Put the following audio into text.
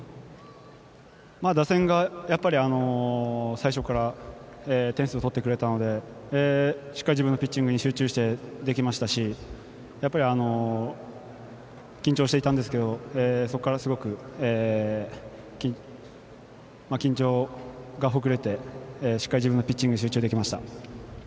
打線がやっぱり最初から点数を取ってくれたのでしっかり自分のピッチングに集中してできましたし緊張していたんですけどそこからすごく緊張がほぐれてしっかり自分のピッチングに集中できました。